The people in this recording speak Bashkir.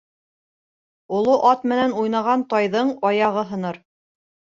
Оло ат менән уйнаған тайҙың аяғы һыныр.